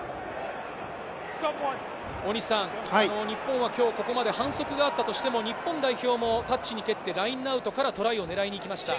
日本は今日、ここまで反則があったとしても、日本代表もタッチに蹴ってラインアウトからトライを狙いに行きました。